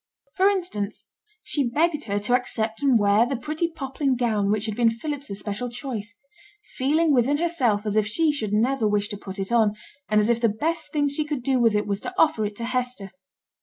For instance, she begged her to accept and wear the pretty poplin gown which had been Philip's especial choice; feeling within herself as if she should never wish to put it on, and as if the best thing she could do with it was to offer it to Hester.